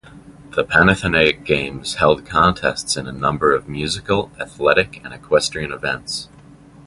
The Panathenaic Games held contests in a number of musical, athletic, and equestrian events.